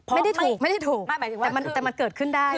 ไม่ได้ถูกแต่มันเกิดขึ้นได้